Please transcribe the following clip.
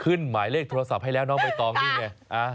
หมายเลขโทรศัพท์ให้แล้วน้องใบตองนี่ไง